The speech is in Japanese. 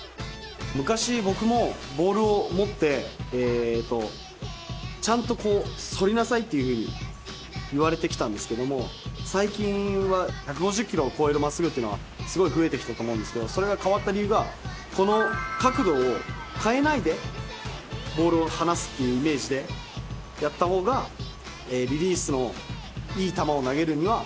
昔僕もボールを持ってちゃんと反りなさいっていうふうに言われてきたんですけども最近は１５０ｋｍを超える真っすぐというのはすごい増えてきてると思うんですけどそれが変わった理由がこの角度を変えないでボールを離すっていうイメージでやった方がリリースのいい球を投げるにはいいのかなっていう。